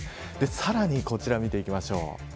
さらにこちら見ていきましょう。